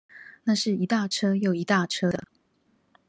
那是一大車又一大車的